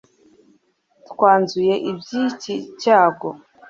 twanzure iby'iki cyago